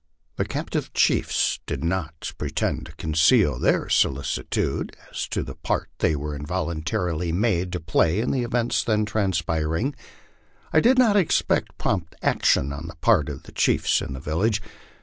The captive chiefs did not pretend to conceal their solicitude as to the part they were involuntarily made to piny in the events then transpiring. I did not expect prompt action on the part of the chiefs in the village.